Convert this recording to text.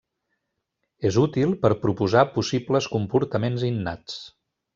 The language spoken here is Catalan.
És útil per proposar possibles comportaments innats.